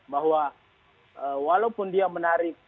bahwa walaupun dia menarik